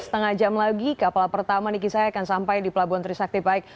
setengah jam lagi kapal pertama niki saya akan sampai di pelabuhan trisakti baik